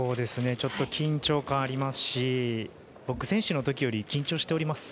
ちょっと緊張感がありますし僕、選手の時より緊張しております。